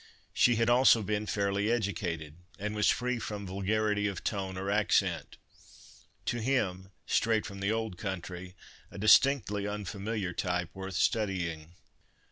She had also been fairly educated, and was free from vulgarity of tone or accent. To him, straight from the old country, a distinctly unfamiliar type worth studying.